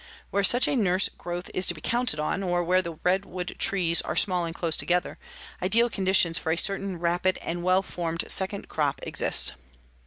Where such a nurse growth is to be counted on, or where the redwood trees are small and close together, ideal conditions for a certain, rapid and well formed second crop exist.